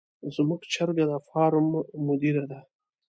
زموږ چرګه د فارم مدیره ده.